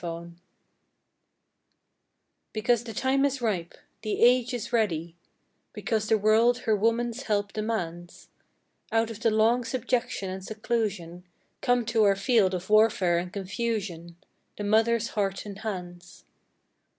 COMING f Because the time is ripe, the age is ready, Because the world her woman's help demands, Out of the long subjection and seclusion Come to our field of warfare and confusion The mother's heart and hands.